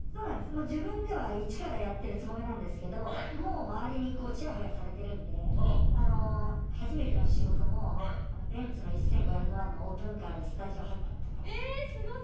自分では一からやってるつもりなんですけどもう、周りにちやほやされてるんで初めての仕事もベンツの１５００万のオープンカーでスタジオ入ったんです。